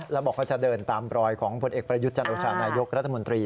แล้วบอกว่าจะเดินตามรอยของผลเอกประยุทธ์จันโอชานายกรัฐมนตรี